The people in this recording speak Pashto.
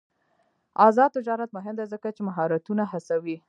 آزاد تجارت مهم دی ځکه چې مهارتونه هڅوي.